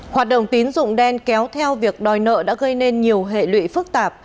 hoạt động tín dụng đen kéo theo việc đòi nợ đã gây nên nhiều hệ lụy phức tạp